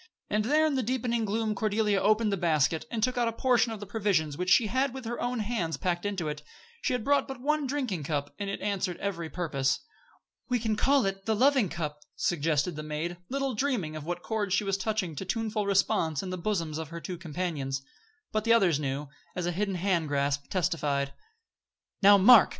And there in the deepening gloom Cordelia opened the basket, and took out a portion of the provisions she had with her own hands packed into it. She had brought but one drinking cup, but it answered every purpose. "We can call it 'the Loving Cup,'" suggested the maid, little dreaming what chords she was touching to tuneful response in the bosoms of her two companions. But the others knew, as a hidden hand grasp testified. "Now, mark!"